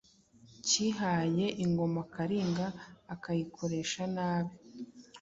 cyihaye ingoma kalinga akayikoresha nabi